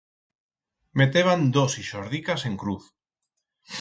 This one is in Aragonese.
Meteban dos ixordicas en cruz.